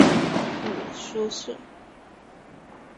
母舒氏。